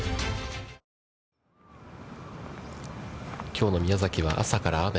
きょうの宮崎は朝から雨。